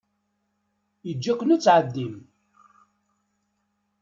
Yeǧǧa-ken ad tɛeddim.